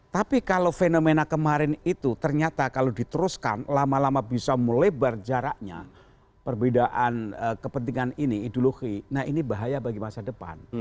tapi kalau fenomena kemarin itu ternyata kalau diteruskan lama lama bisa melebar jaraknya perbedaan kepentingan ini ideologi nah ini bahaya bagi masa depan